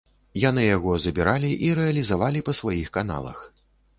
Яны яго забіралі і рэалізавалі па сваіх каналах.